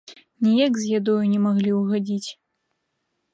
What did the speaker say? Ніяк з ядою не маглі ўгадзіць.